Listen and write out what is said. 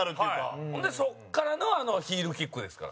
後藤：ほんで、そこからのあのヒールキックですから。